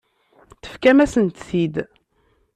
Tefkam-asent-t-id.